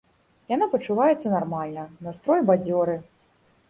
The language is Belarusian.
Яна пачуваецца нармальна, настрой бадзёры.